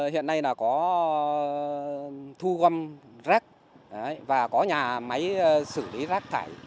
hiện nay là có thu gom rác và có nhà máy xử lý rác thải